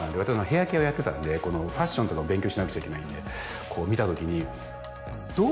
ヘア系をやってたんでファッションとかも勉強しなくちゃいけないんでこう見たときに。